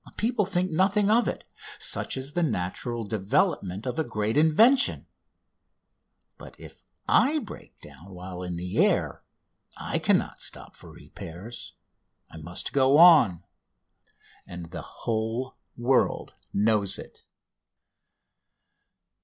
People think nothing of it. Such is the natural development of a great invention. But if I break down while in the air I cannot stop for repairs: I must go on, and the whole world knows it.